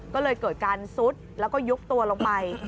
ก็เลยเกิดการซุดแล้วก็ยุบตัวลงไป